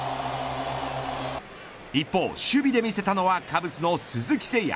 一方、守備で見せたのはカブスの鈴木誠也。